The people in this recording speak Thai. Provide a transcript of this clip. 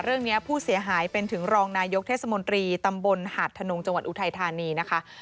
เรื่องนี้ผู้เสียหายเป็นถึงรองนายกเทศมนตรีตำบลหาดทนงจังหวัดอุทัยธานีนะคะ